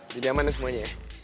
jadi aman ya semuanya ya